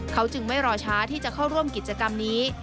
เขาจึงไม่รอช้าที่จะเข้าร่วมกิจกรรมนี้